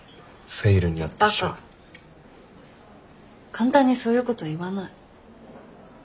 簡単にそういうこと言わない。